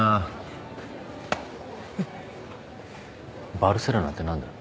バルセロナって何だ？